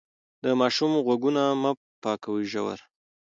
د ماشوم غوږونه مه پاکوئ ژور.